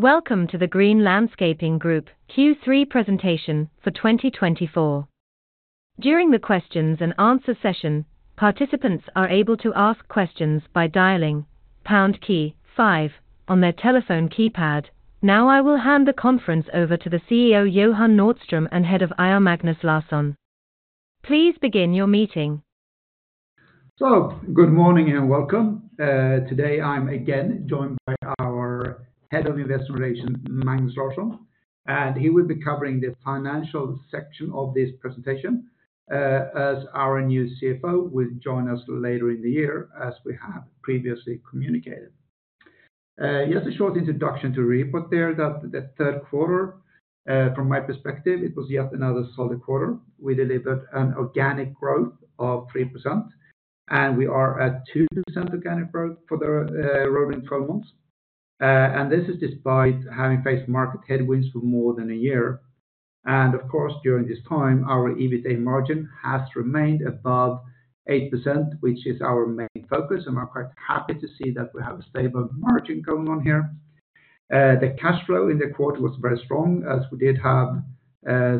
Welcome to the Green Landscaping Group Q3 presentation for 2024. During the questions and answer session, participants are able to ask questions by dialing pound key five on their telephone keypad. Now, I will hand the conference over to the CEO, Johan Nordström, and Head of IR, Magnus Larsson. Please begin your meeting. Good morning, and welcome. Today, I'm again joined by our Head of Investor Relations, Magnus Larsson, and he will be covering the financial section of this presentation, as our new CFO will join us later in the year, as we have previously communicated. Just a short introduction to report there that the third quarter, from my perspective, it was yet another solid quarter. We delivered an organic growth of 3%, and we are at 2% organic growth for the rolling twelve months. This is despite having faced market headwinds for more than a year. Of course, during this time, our EBITDA margin has remained above 8%, which is our main focus, and I'm quite happy to see that we have a stable margin going on here. The cash flow in the quarter was very strong, as we did have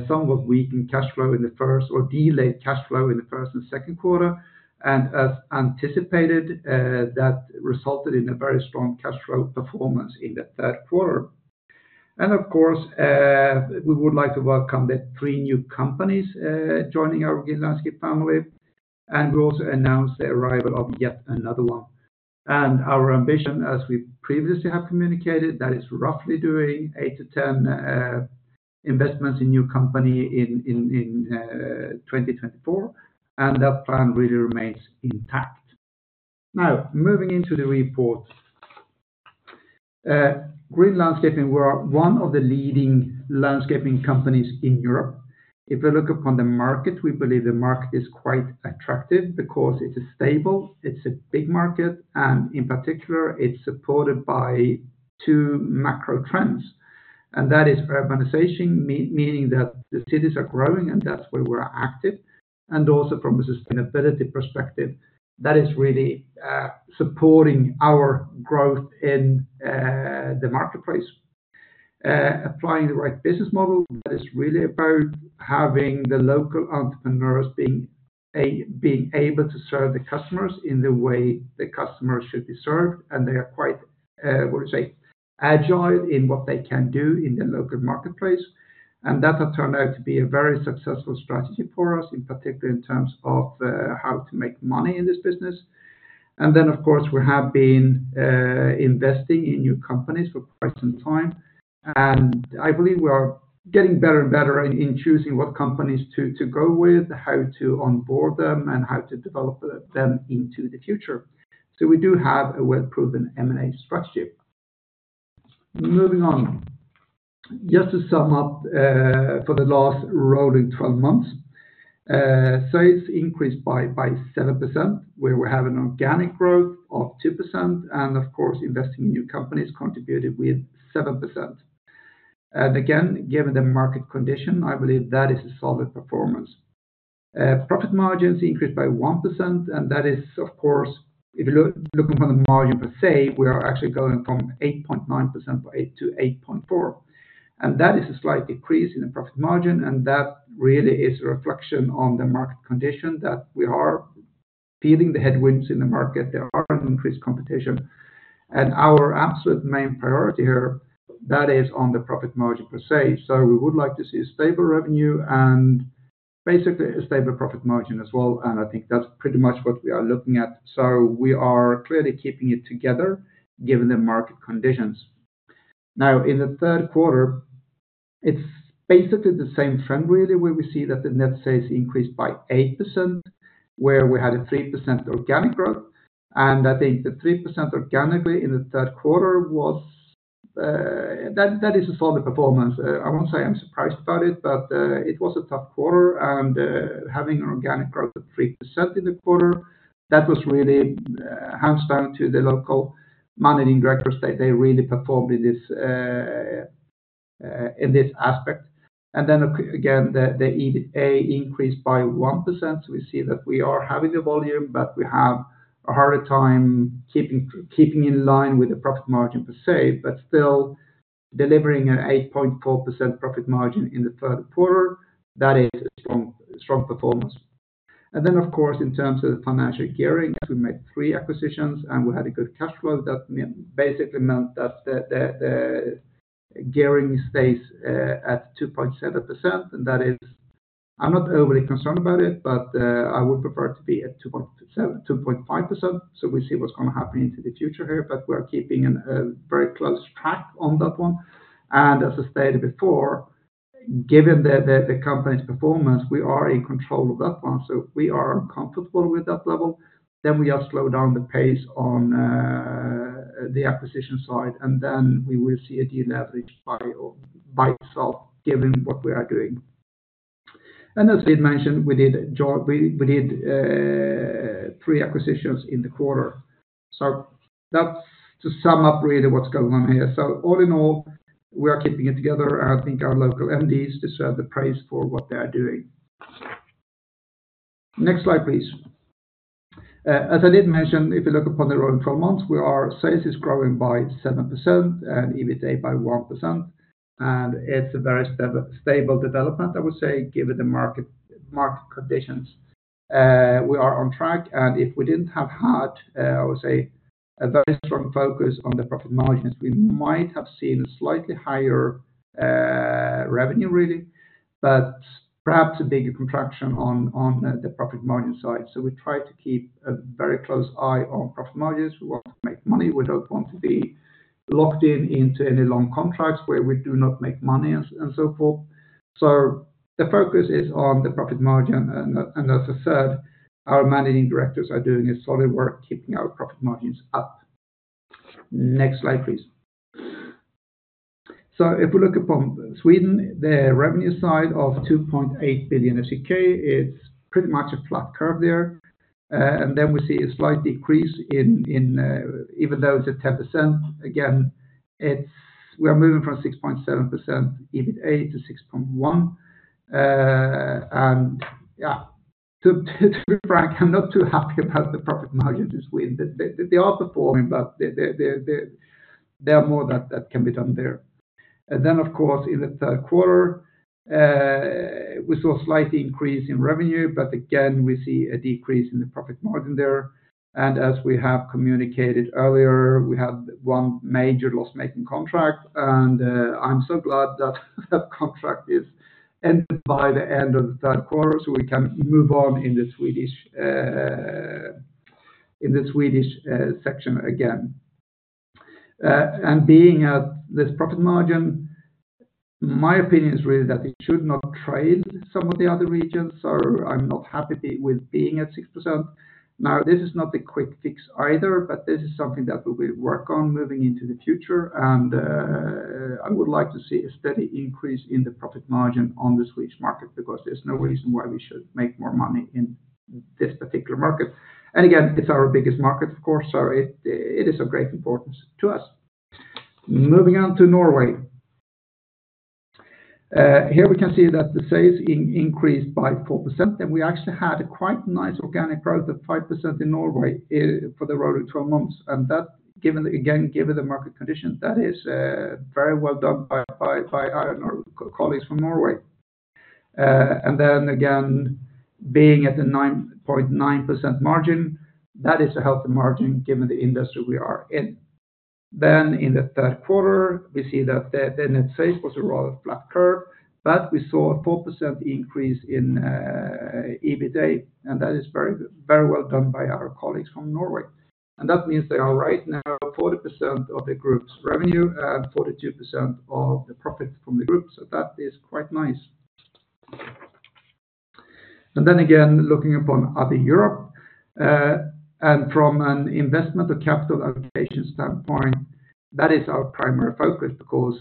somewhat weakened cash flow in the first or delayed cash flow in the first and second quarter. And as anticipated, that resulted in a very strong cash flow performance in the third quarter. And of course, we would like to welcome the three new companies joining our Green Landscaping family, and we also announced the arrival of yet another one. And our ambition, as we previously have communicated, that is roughly doing eight to ten investments in new company in twenty twenty-four, and that plan really remains intact. Now, moving into the report. Green Landscaping, we are one of the leading landscaping companies in Europe. If we look upon the market, we believe the market is quite attractive because it is stable, it's a big market, and in particular, it's supported by two macro trends, and that is urbanization, meaning that the cities are growing and that's where we're active, and also from a sustainability perspective, that is really supporting our growth in the marketplace. Applying the right business model, that is really about having the local entrepreneurs being able to serve the customers in the way the customers should be served, and they are quite agile in what they can do in the local marketplace, and that has turned out to be a very successful strategy for us, in particular in terms of how to make money in this business. Then, of course, we have been investing in new companies for quite some time, and I believe we are getting better and better in choosing what companies to go with, how to onboard them, and how to develop them into the future. We do have a well-proven M&A strategy. Moving on. Just to sum up, for the last rolling twelve months, sales increased by 7%, where we have an organic growth of 2%, and of course, investing in new companies contributed with 7%. Again, given the market condition, I believe that is a solid performance. Profit margins increased by 1%, and that is, of course, if you look from the margin per se, we are actually going from 8.9% to 8.4%, and that is a slight decrease in the profit margin, and that really is a reflection on the market condition that we are feeling the headwinds in the market. There are increased competition, and our absolute main priority here, that is on the profit margin, per se. So we would like to see a stable revenue and basically a stable profit margin as well, and I think that's pretty much what we are looking at. So we are clearly keeping it together, given the market conditions. Now, in the third quarter, it's basically the same trend, really, where we see that the net sales increased by 8%, where we had a 3% organic growth, and I think the 3% organically in the third quarter was that that is a solid performance. I won't say I'm surprised about it, but it was a tough quarter, and having an organic growth of 3% in the quarter, that was really down to the local managing directors, that they really performed in this aspect. And then again, the EBITA increased by 1%. So we see that we are having the volume, but we have a harder time keeping in line with the profit margin per se, but still delivering an 8.4% profit margin in the third quarter. That is a strong, strong performance. And then, of course, in terms of the financial gearing, we made three acquisitions, and we had a good cash flow. That basically meant that the gearing stays at 2.7%, and that is... I'm not overly concerned about it, but I would prefer it to be at 2.7-2.5%. So we see what's going to happen into the future here, but we're keeping a very close track on that one. And as I stated before, given the company's performance, we are in control of that one. So if we are comfortable with that level, then we just slow down the pace on the acquisition side, and then we will see a deleverage by itself, given what we are doing. As I mentioned, we did three acquisitions in the quarter. That's to sum up really what's going on here. All in all, we are keeping it together, and I think our local MDs deserve the praise for what they are doing... Next slide, please. As I did mention, if you look upon the rolling twelve months, sales is growing by 7% and EBITDA by 1%, and it's a very stable development, I would say, given the market conditions. We are on track, and if we didn't have had, I would say, a very strong focus on the profit margins, we might have seen a slightly higher revenue really, but perhaps a bigger contraction on the profit margin side. We try to keep a very close eye on profit margins. We want to make money. We don't want to be locked in into any long contracts where we do not make money and so forth. So the focus is on the profit margin, and as I said, our managing directors are doing a solid work keeping our profit margins up. Next slide, please. So if we look upon Sweden, the revenue side of 2.8 billion SEK, it's pretty much a flat curve there. And then we see a slight decrease, even though it's at 10%, again, it's we are moving from 6.7% EBITA to 6.1. And yeah, to be frank, I'm not too happy about the profit margin in Sweden. They are performing, but there are more that can be done there. Then, of course, in the third quarter, we saw a slight increase in revenue, but again, we see a decrease in the profit margin there. As we have communicated earlier, we had one major loss-making contract, and I'm so glad that that contract is ended by the end of the third quarter, so we can move on in the Swedish section again. Being at this profit margin, my opinion is really that it should not trade some of the other regions, so I'm not happy with being at 6%. Now, this is not a quick fix either, but this is something that we will work on moving into the future, and I would like to see a steady increase in the profit margin on the Swedish market, because there's no reason why we should make more money in this particular market. Again, it's our biggest market, of course, so it is of great importance to us. Moving on to Norway. Here we can see that the sales increased by 4%, and we actually had a quite nice organic growth of 5% in Norway for the rolling twelve months. That, given the market conditions, is very well done by our Norwegian colleagues from Norway. And then again, being at the 9.9% margin, that is a healthy margin given the industry we are in. Then in the third quarter, we see that the net sales was a rather flat curve, but we saw a 4% increase in EBITDA, and that is very, very well done by our colleagues from Norway. And that means they are right now 40% of the group's revenue and 42% of the profit from the group, so that is quite nice. And then again, looking upon other Europe, and from an investment or capital allocation standpoint, that is our primary focus because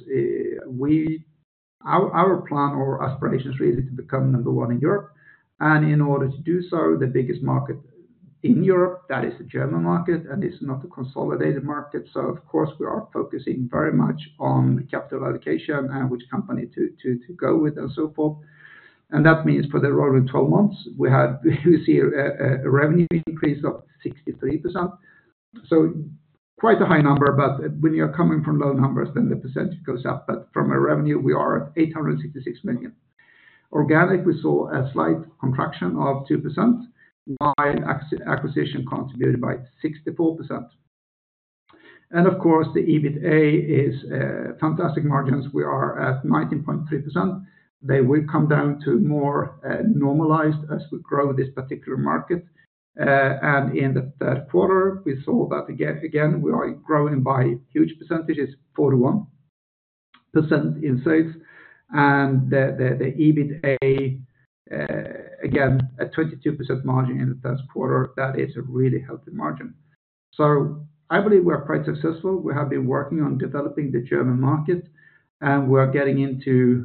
our plan or aspiration is really to become number one in Europe. And in order to do so, the biggest market in Europe, that is the German market, and it's not a consolidated market. Of course, we are focusing very much on capital allocation and which company to go with and so forth. That means for the rolling twelve months, we see a revenue increase of 63%. So quite a high number, but when you are coming from low numbers, then the percentage goes up. From a revenue, we are at 866 million. Organic, we saw a slight contraction of 2%, while acquisition contributed by 64%. And of course, the EBITDA is fantastic margins. We are at 19.3%. They will come down to more normalized as we grow this particular market. And in the third quarter, we saw that again, we are growing by huge percentages, 41% in sales. And the EBITDA, again, a 22% margin in the first quarter, that is a really healthy margin. So I believe we are quite successful. We have been working on developing the German market, and we are getting into,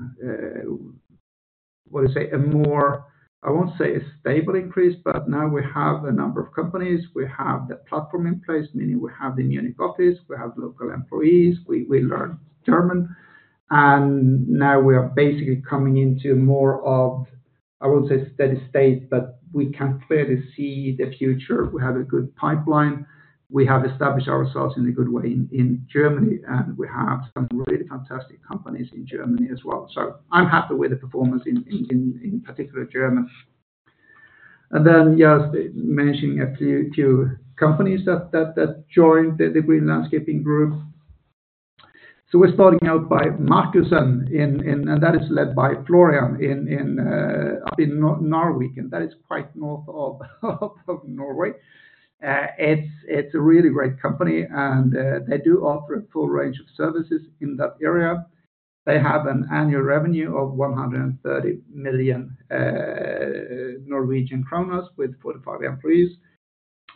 what do you say? A more, I won't say a stable increase, but now we have a number of companies. We have the platform in place, meaning we have the Munich office, we have local employees, we learned German, and now we are basically coming into more of, I would say, steady state, but we can clearly see the future. We have a good pipeline. We have established ourselves in a good way in particular, Germany. And then, just mentioning a few companies that joined the Green Landscaping Group. We're starting out by Markussen, and that is led by Håkon Markussen up in Narvik, and that is quite north of Norway. It's a really great company, and they do offer a full range of services in that area. They have an annual revenue of 130 million NOK with 45 employees.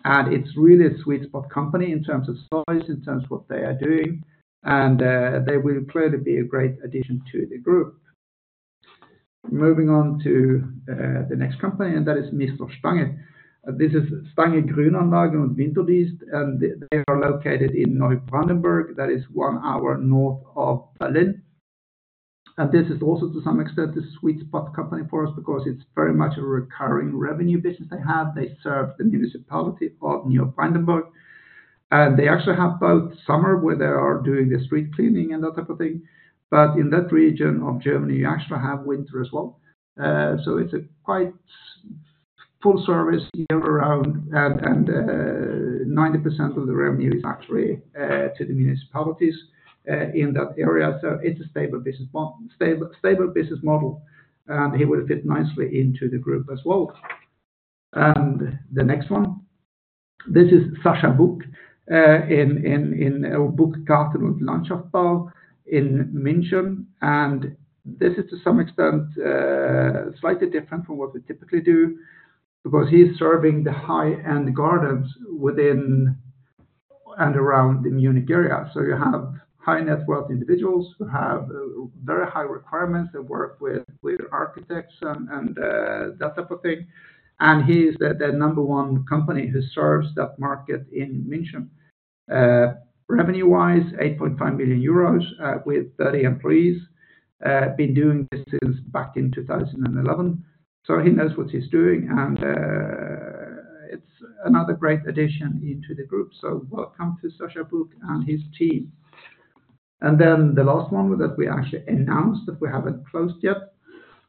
And it's really a sweet spot company in terms of size, in terms of what they are doing, and they will clearly be a great addition to the group. Moving on to the next company, and that is Mr. Stange. This is Stange Grünanlagen & Winterdienst, and they are located in Neubrandenburg. That is one hour north of Berlin. This is also to some extent the sweet spot company for us, because it's very much a recurring revenue business they have. They serve the municipality of Neubrandenburg, and they actually have both summer, where they are doing the street cleaning and that type of thing, but in that region of Germany, you actually have winter as well. So it's a quite full service year around, and 90% of the revenue is actually to the municipalities in that area. So it's a stable business model, and he will fit nicely into the group as well. The next one, this is Sascha Buch in Buch Garten- & Landschaftsbau in München. This is, to some extent, slightly different from what we typically do, because he's serving the high-end gardens within and around the Munich area. So you have high net worth individuals who have very high requirements. They work with their architects and that type of thing. He is the number one company who serves that market in München. Revenue-wise, 8.5 million euros with 30 employees. Been doing this since back in 2011, so he knows what he's doing, and it's another great addition into the group. So welcome to Sascha Buch and his team. Then the last one that we actually announced, that we haven't closed yet,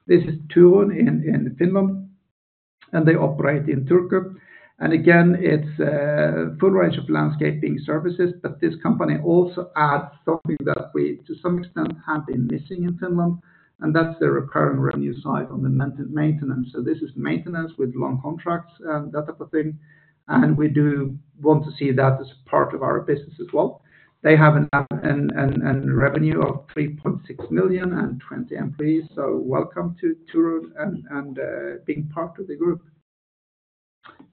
this is Turun Pihatyö in Finland, and they operate in Turku. Again, it's a full range of landscaping services, but this company also adds something that we, to some extent, have been missing in Finland, and that's the recurring revenue side on the maintenance. So this is maintenance with long contracts and that type of thing, and we do want to see that as part of our business as well. They have annual revenue of 3.6 million and 20 employees, so welcome to Turun Pihatyö and being part of the group.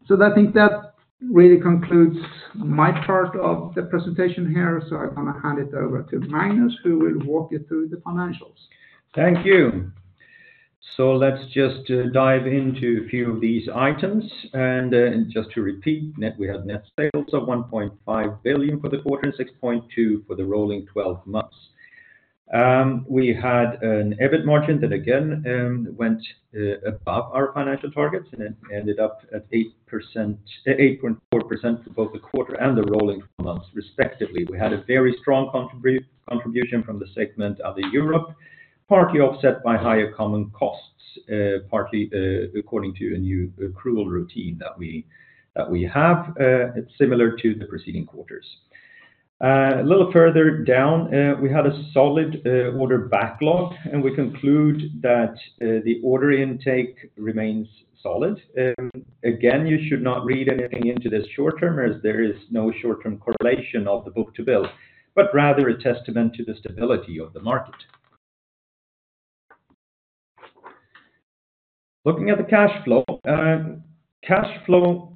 So I think that really concludes my part of the presentation here, so I'm going to hand it over to Magnus, who will walk you through the financials. Thank you. So let's just dive into a few of these items. And just to repeat, we had net sales of 1.5 billion for the quarter, and 6.2 billion for the rolling twelve months. We had an EBIT margin that again went above our financial targets, and it ended up at 8%, 8.4% for both the quarter and the rolling months, respectively. We had a very strong contribution from the Europe segment, partly offset by higher common costs, partly according to a new accrual routine that we have, similar to the preceding quarters. A little further down, we had a solid order backlog, and we conclude that the order intake remains solid. Again, you should not read anything into this short term, as there is no short-term correlation of the book-to-bill, but rather a testament to the stability of the market. Looking at the cash flow. Cash flow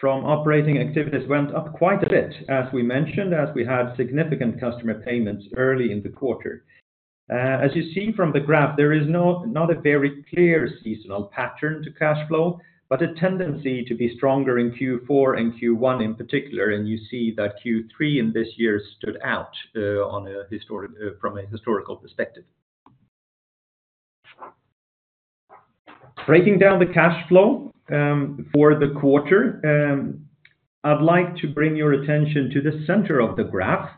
from operating activities went up quite a bit, as we mentioned, as we had significant customer payments early in the quarter. As you see from the graph, there is not a very clear seasonal pattern to cash flow, but a tendency to be stronger in Q4 and Q1, in particular, and you see that Q3 in this year stood out, from a historical perspective. Breaking down the cash flow, for the quarter, I'd like to bring your attention to the center of the graph,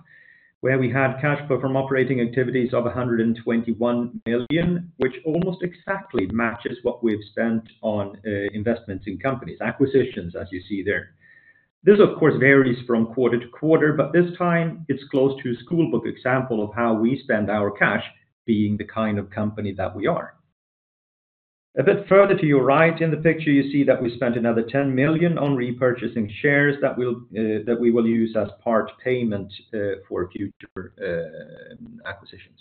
where we had cash flow from operating activities of 121 million, which almost exactly matches what we've spent on investments in companies, acquisitions, as you see there. This, of course, varies from quarter to quarter, but this time it's close to a schoolbook example of how we spend our cash, being the kind of company that we are. A bit further to your right in the picture, you see that we spent another 10 million on repurchasing shares that will that we will use as part payment for future acquisitions.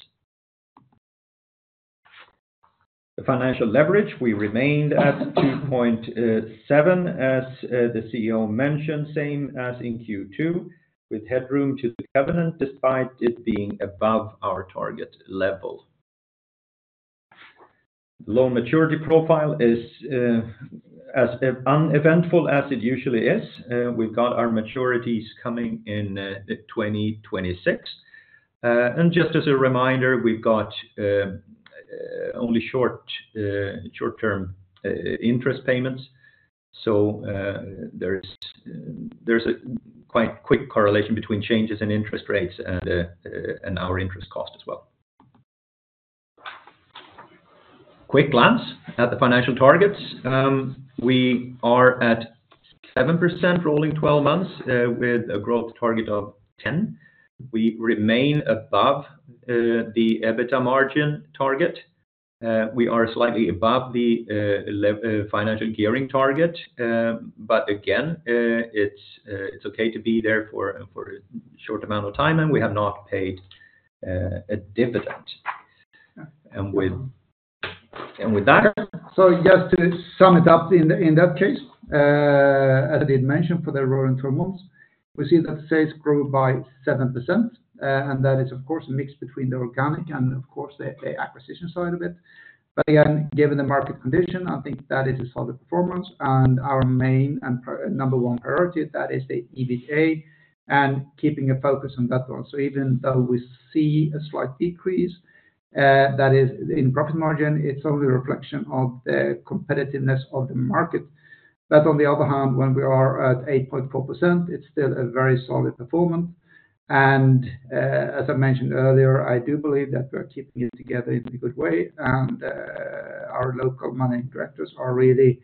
The financial leverage, we remained at 2.7, as the CEO mentioned, same as in Q2, with headroom to the covenant, despite it being above our target level. Loan maturity profile is as uneventful as it usually is. We've got our maturities coming in 2026. And just as a reminder, we've got only short-term interest payments, so there's a quite quick correlation between changes in interest rates and our interest cost as well. Quick glance at the financial targets. We are at 7% rolling twelve months with a growth target of 10%. We remain above the EBITDA margin target. We are slightly above the financial gearing target, but again, it's okay to be there for a short amount of time, and we have not paid a dividend. And with that- Just to sum it up in that case, as I did mention, for the rolling twelve months, we see that sales grew by 7%, and that is, of course, a mix between the organic and, of course, the acquisition side of it. Again, given the market condition, I think that is a solid performance. Our main and priority number one priority, that is the EBITDA and keeping a focus on that one. Even though we see a slight decrease, that is in profit margin, it's only a reflection of the competitiveness of the market. On the other hand, when we are at 8.4%, it's still a very solid performance. As I mentioned earlier, I do believe that we are keeping it together in a good way, and our local managing directors are really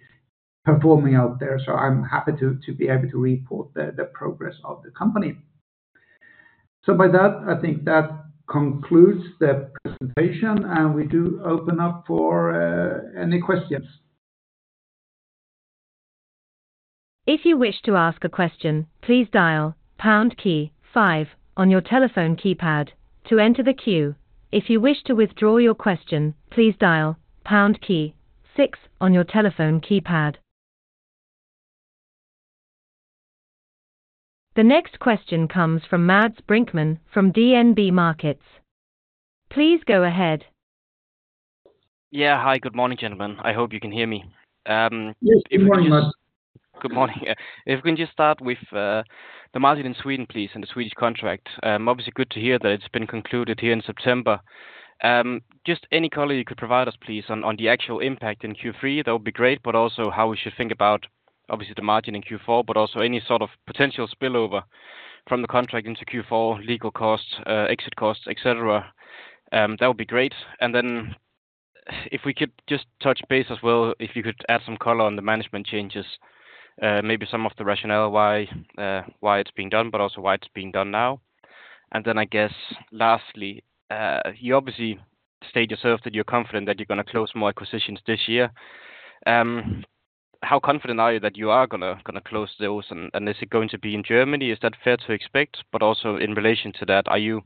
performing out there. I'm happy to be able to report the progress of the company. By that, I think that concludes the presentation, and we do open up for any questions. If you wish to ask a question, please dial pound key five on your telephone keypad to enter the queue. If you wish to withdraw your question, please dial pound key six on your telephone keypad. The next question comes from Mads Brinkmann from DNB Markets. Please go ahead. Yeah. Hi, good morning, gentlemen. I hope you can hear me. Yes, good morning, Mads. Good morning. If we can just start with the market in Sweden, please, and the Swedish contract. Obviously, good to hear that it's been concluded here in September. Just any color you could provide us, please, on the actual impact in Q3, that would be great, but also how we should think about obviously the margin in Q4, but also any sort of potential spillover from the contract into Q4, legal costs, exit costs, et cetera. That would be great. And then if we could just touch base as well, if you could add some color on the management changes, maybe some of the rationale why it's being done, but also why it's being done now. And then I guess, lastly, you obviously stated yourself that you're confident that you're gonna close more acquisitions this year. How confident are you that you are gonna close those? And is it going to be in Germany? Is that fair to expect? But also in relation to that, are you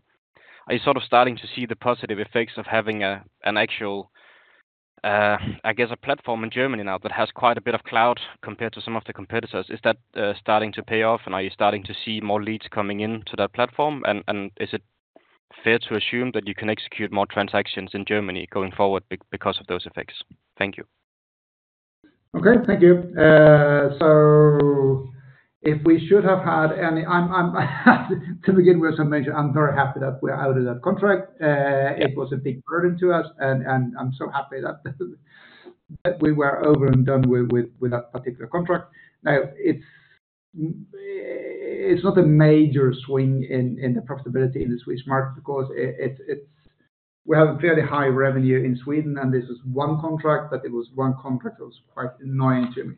sort of starting to see the positive effects of having an actual, I guess, a platform in Germany now that has quite a bit of clout compared to some of the competitors? Is that starting to pay off, and are you starting to see more leads coming into that platform? And is it fair to assume that you can execute more transactions in Germany going forward because of those effects? Thank you. Okay, thank you. To begin with, as I mentioned, I'm very happy that we're out of that contract. It was a big burden to us, and I'm so happy that we were over and done with that particular contract. Now, it's not a major swing in the profitability in the Swedish market because we have a fairly high revenue in Sweden, and this is one contract, but it was one contract that was quite annoying to me.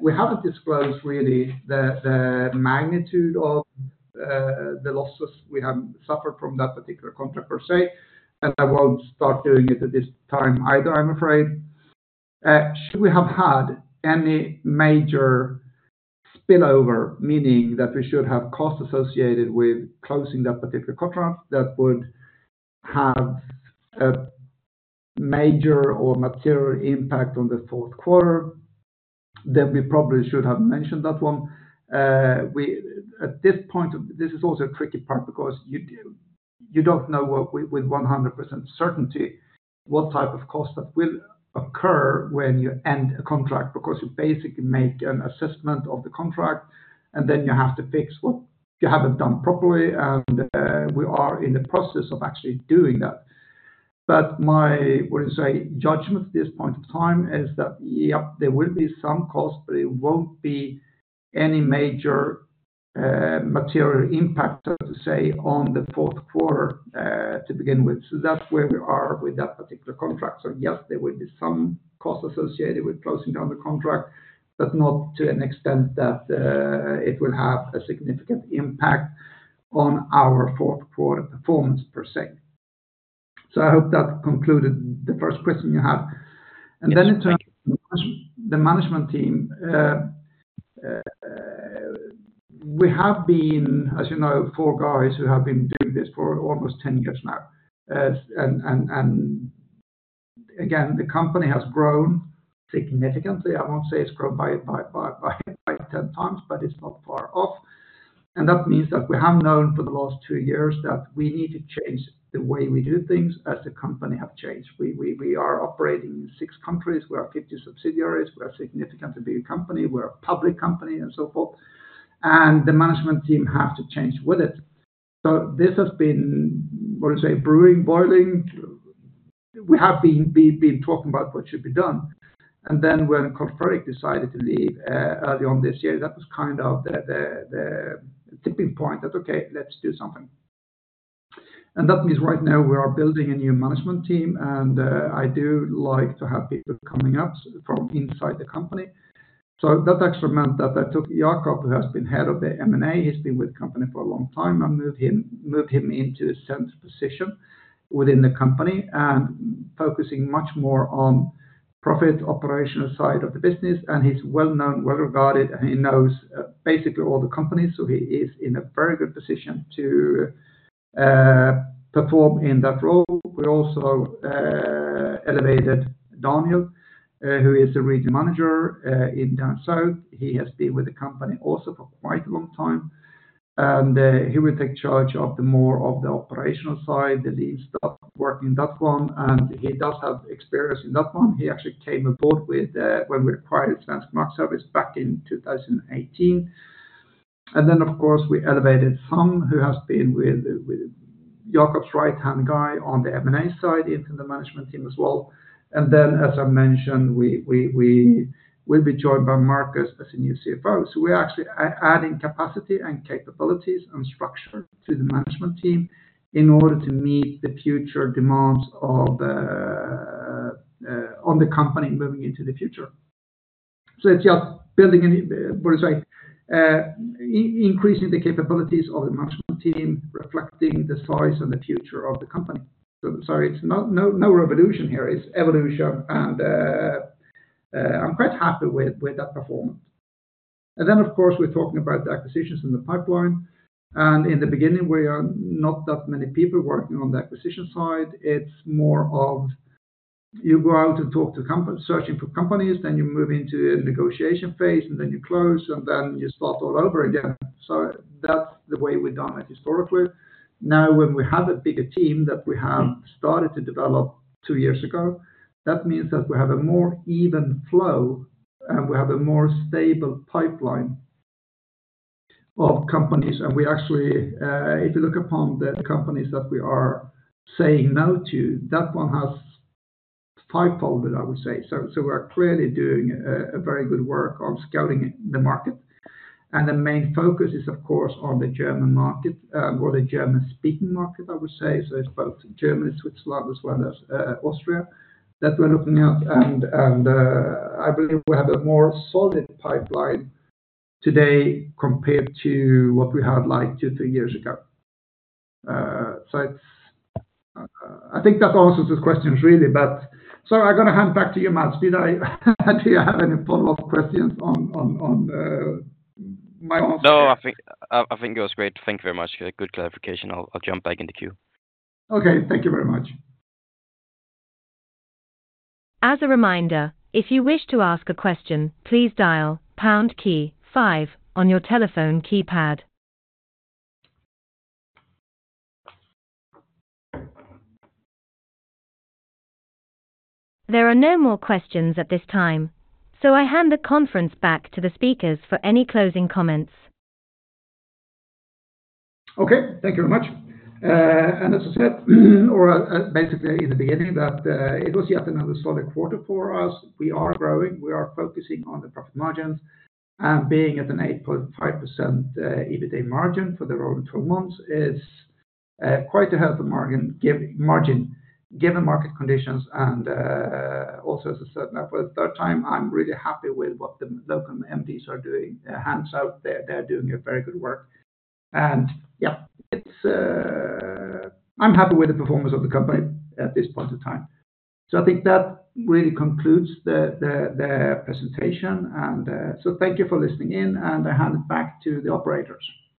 We haven't disclosed really the magnitude of the losses we have suffered from that particular contract per se, and I won't start doing it at this time either, I'm afraid. Should we have had any major spillover, meaning that we should have costs associated with closing that particular contract that would have a major or material impact on the fourth quarter, then we probably should have mentioned that one. At this point, this is also a tricky part because you don't know what, with one hundred percent certainty, what type of cost that will occur when you end a contract, because you basically make an assessment of the contract, and then you have to fix what you haven't done properly, and we are in the process of actually doing that. But my, what do you say, judgment at this point in time is that, yeah, there will be some costs, but it won't be any major, material impact, so to say, on the fourth quarter, to begin with. That's where we are with that particular contract. Yes, there will be some costs associated with closing down the contract, but not to an extent that it will have a significant impact on our fourth quarter performance per se. I hope that concluded the first question you had. Yes, thank you. And then in terms of the management team, we have been, as you know, four guys who have been doing this for almost ten years now. And again, the company has grown significantly. I won't say it's grown by ten times, but it's not far off. And that means that we have known for the last two years that we need to change the way we do things as the company have changed. We are operating in six countries, we are fifty subsidiaries, we are a significantly big company, we're a public company, and so forth, and the management team have to change with it. So this has been, what do you say, brewing, boiling. We have been talking about what should be done. And then when Carl-Fredrik decided to leave early on this year, that was kind of the tipping point that okay, let's do something. And that means right now we are building a new management team, and I do like to have people coming up from inside the company. So that actually meant that I took Jakob, who has been head of the M&A. He's been with the company for a long time, and moved him into a center position within the company, and focusing much more on profit, operational side of the business. And he's well-known, well-regarded, and he knows basically all the companies, so he is in a very good position to perform in that role. We also elevated Daniel, who is the regional manager in down south. He has been with the company also for quite a long time, and he will take charge of more of the operational side, the lead stuff, working that one, and he does have experience in that one. He actually came aboard when we acquired Svensk Markservice back in 2018. And then, of course, we elevated Sam, who has been with Jakob's right-hand guy on the M&A side, into the management team as well. And then, as I mentioned, we will be joined by Marcus as a new CFO. So we're actually adding capacity and capabilities and structure to the management team in order to meet the future demands of the company moving into the future. So it's just building, increasing the capabilities of the management team, reflecting the size and the future of the company. So sorry, it's not, no, no revolution here, it's evolution, and I'm quite happy with that performance. And then, of course, we're talking about the acquisitions in the pipeline, and in the beginning, we are not that many people working on the acquisition side. It's more of you go out and talk, searching for companies, then you move into a negotiation phase, and then you close, and then you start all over again. So that's the way we've done it historically. Now, when we have a bigger team that we have started to develop two years ago, that means that we have a more even flow, and we have a more stable pipeline of companies. We actually, if you look upon the companies that we are saying no to, that one has fivefold it, I would say. We are clearly doing a very good work on scouting the market. The main focus is, of course, on the German market, or the German-speaking market, I would say. It's both Germany, Switzerland, as well as Austria, that we're looking at. I believe we have a more solid pipeline today compared to what we had, like, two, three years ago. I think that answers those questions, really. I'm going to hand back to you, Mats. Do you have any follow-up questions on my answer? No, I think it was great. Thank you very much. Good clarification. I'll jump back in the queue. Okay. Thank you very much. As a reminder, if you wish to ask a question, please dial # key five on your telephone keypad. There are no more questions at this time, so I hand the conference back to the speakers for any closing comments. Okay. Thank you very much. And as I said, basically in the beginning, that it was yet another solid quarter for us. We are growing, we are focusing on the profit margins, and being at an 8.5% EBITDA margin for the rolling twelve months is quite a healthy margin, given market conditions. And also, as I said, now for the third time, I'm really happy with what the local MDs are doing. They're hands-on, they're doing a very good work. And yeah, it's... I'm happy with the performance of the company at this point in time. So I think that really concludes the presentation, so thank you for listening in, and I hand it back to the operators.